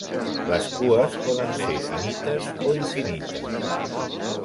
Les cues poden ser finites o infinites.